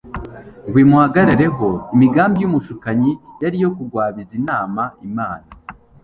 ngw imuhagarareho Imigambi yumushukanyi yariyo kugwabizinama Imana